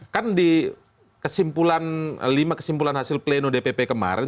kan di lima kesimpulan hasil pleno dpp kemarin